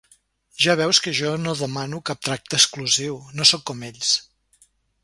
Ja veus que jo no demano cap tracte exclusiu, no sóc com ells!